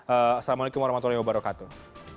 assalamualaikum warahmatullahi wabarakatuh